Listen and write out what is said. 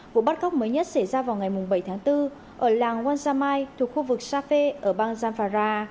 vụ bắt cóc mới nhất xảy ra vào ngày bảy tháng bốn ở làng wanjamai thuộc khu vực safé ở bang zampara